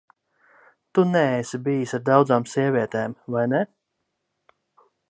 Tu neesi bijis ar daudzām sievietēm, vai ne?